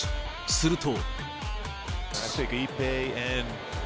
すると。